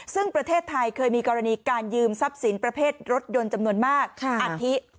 ซึ่งประเทศไทยเคยมีกรณีการยืมทรัพย์สินประเภทรถยนต์จำนวนมากอาทิ